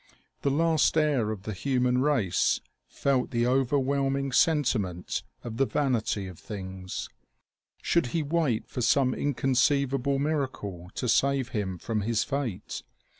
The last heir of the human race felt the overwhelming sentiment of the vanity of things. Should he wait for some inconceivable miracle to save him from his fate?